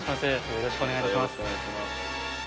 よろしくお願いします。